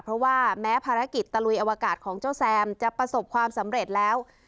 เพราะว่าแม้ภารกิจตะลุยอวกาศของเจ้าแซมจะประสบความสำเร็จแล้ว